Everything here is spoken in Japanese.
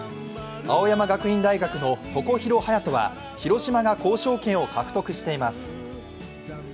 青山学院大学の常廣羽也斗は広島が交渉権を獲得しています。